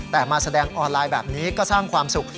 แต่มาแสดงออนไลน์แบบนี้ก็สร้างความสุข